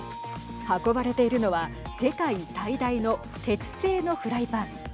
運ばれているのは世界最大の鉄製のフライパン。